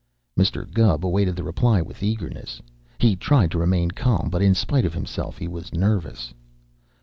Mr. Gubb awaited the reply with eagerness. He tried to remain calm, but in spite of himself he was nervous.